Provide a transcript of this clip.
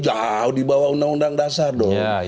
jauh dibawah undang undang dasar dong